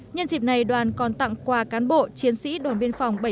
nhân dịp này đoàn còn tặng quà cán bộ chiến sĩ đồn biên phòng bảy trăm bốn mươi hai